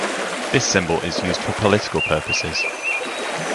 This symbol is used for political purposes.